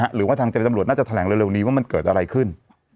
หรือว่าทางเจรตำรวจน่าจะแถลงเร็วนี้ว่ามันเกิดอะไรขึ้น